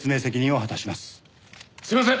ああすいません。